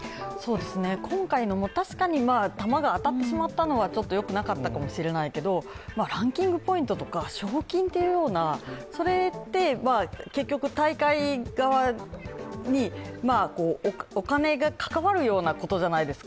今回のも確かに球が当たってしまったのはよくなかったかもしれないですけどランキングポイントとか賞金というような、それって、結局、大会側にお金が関わるようなことじゃないですか。